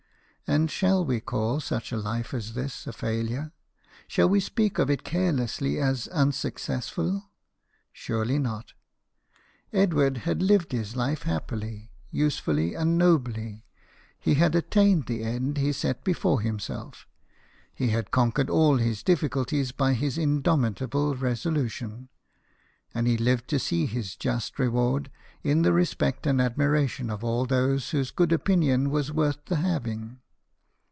And shall we call such a life as this a failure ? Shall we speak of it carelessly as unsuccessful ? Surely not. Edward had lived his life happily, usefully, and nobly ; he had attained the end he set before himself ; he had conquered all his difficulties by his indomitable resolution ; and he lived to see his just reward in the respect and admiration of all those whose good opinion was worth the having.